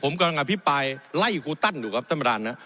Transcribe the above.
ผมกำลังอภิปรายไล่ครูตั้นอยู่ครับท่านประธานนะ